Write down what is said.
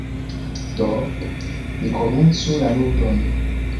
Do, ni komencu la ludon.